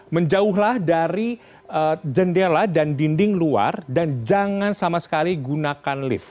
menjauhlah dari jendela dan dinding luar dan jangan sama sekali gunakan lift